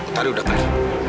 putari udah pergi